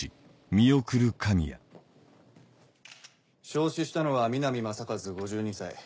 焼死したのは南雅和５２歳。